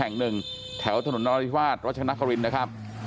แห่งหนึ่งแถวถนนนรธิวาสรัชนครินนะครับ